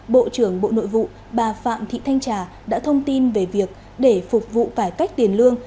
bộ trưởng bộ nội vụ bà phạm thị thanh trà đã thông tin về việc để phục vụ cải cách tiền lương